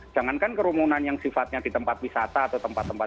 jangankan kerumunan yang sifatnya di tempat wisata atau tempat tempat